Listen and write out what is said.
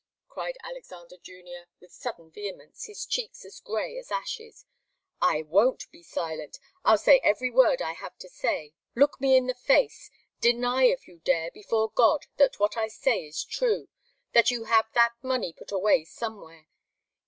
cried Alexander Junior, with sudden vehemence, his cheeks as grey as ashes. "I won't be silent! I'll say every word I have to say. Look me in the face. Deny, if you dare, before God, that what I say is true that you have that money put away somewhere.